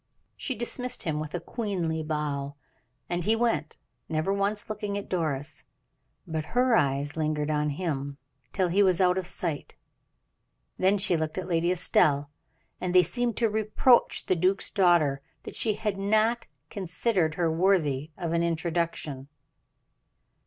She dismissed him with a queenly bow, and he went, never once looking at Doris, but her eyes lingered on him till he was out of sight; then she looked at Lady Estelle, and they seemed to reproach the duke's daughter that she had not considered her worthy of an introduction.